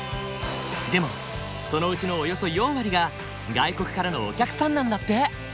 でもそのうちのおよそ４割が外国からのお客さんなんだって。